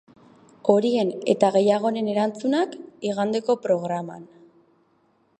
Horien eta gehiagoren erantzunak, igandeko programan.